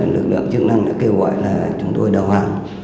lực lượng chức năng đã kêu gọi là chúng tôi đầu hàng